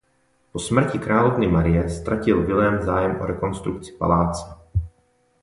Po smrti královny Marie ztratil Vilém zájem o rekonstrukci paláce.